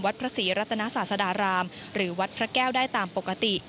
พระศรีรัตนาศาสดารามหรือวัดพระแก้วได้ตามปกติ